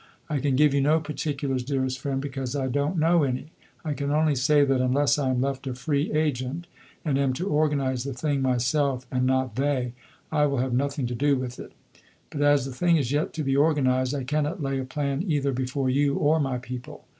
I can give you no particulars, dearest friend, because I don't know any. I can only say that, unless I am left a free agent and am to organize the thing myself and not they, I will have nothing to do with it. But as the thing is yet to be organized, I cannot lay a plan either before you or my people.